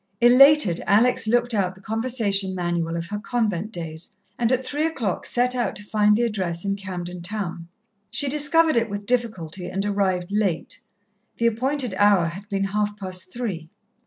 Elated, Alex looked out the conversation manual of her convent days, and at three o'clock set out to find the address in Camden Town. She discovered it with difficulty, and arrived late. The appointed hour had been half past three.